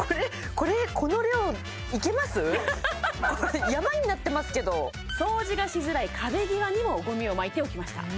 これ山になってますけど掃除がしづらい壁際にもゴミをまいておきました